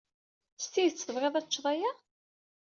S tidet tebɣiḍ ad teččeḍ aya?